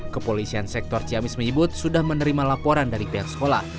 kepolisian sektor ciamis menyebut sudah menerima laporan dari pihak sekolah